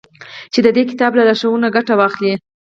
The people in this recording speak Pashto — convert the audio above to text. چي د دې كتاب له لارښوونو نه گټه واخلي.